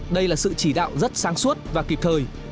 đây là sự chỉ đạo rất sáng suốt và kịp thời